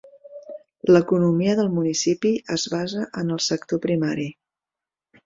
L’economia del municipi es basa en el sector primari.